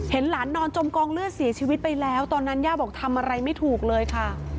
หลานนอนจมกองเลือดเสียชีวิตไปแล้วตอนนั้นย่าบอกทำอะไรไม่ถูกเลยค่ะ